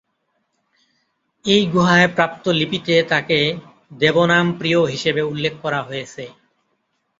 এই গুহায় প্রাপ্ত লিপিতে তাকে "দেবনামপ্রিয়" হিসেবে উল্লেখ করা হয়েছে।